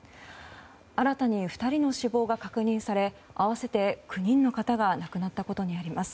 新たに２人の死亡が確認され合わせて９人の方が亡くなったことになります。